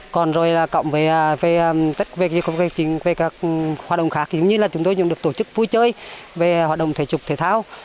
còn rồi cộng với các hoạt động khác chúng tôi được tổ chức vui chơi về hoạt động thể trục thể thao